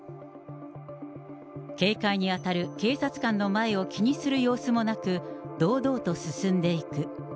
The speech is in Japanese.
警戒に当たる警察官の前を気にする様子もなく、堂々と進んでいく。